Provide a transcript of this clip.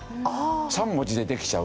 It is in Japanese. ３文字でできちゃうんですよ。